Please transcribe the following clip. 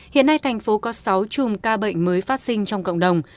hiện nay thành phố có sáu chùm ca bệnh mới phát sinh trong cộng đồng